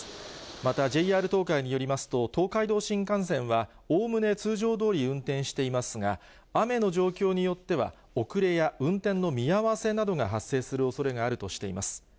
またＪＲ東海によりますと、東海道新幹線はおおむね通常どおり運転していますが、雨の状況によっては、遅れや運転の見合わせなどが発生するおそれがあるとしています。